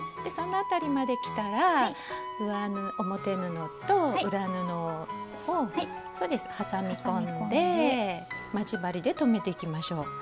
そのあたりまで来たら表布と裏布をそうです挟み込んで待ち針で留めていきましょう。